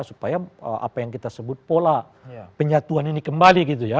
supaya apa yang kita sebut pola penyatuan ini kembali gitu ya